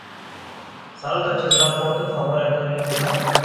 Salut acest raport, în favoarea căruia am votat.